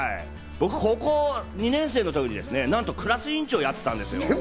僕、高校２年生のときに何とクラス委員長をやってたんですよ。